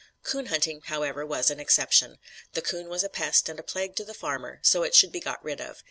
Coon hunting, however, was an exception. The coon was a pest and a plague to the farmer, so it should be got rid of.